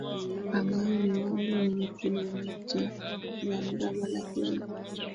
ambayo ni Wami wenye kilometa za mraba laki nne